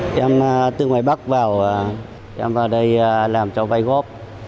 chúng em từ ngoài bắc vào chúng em vào đây làm cho vai góp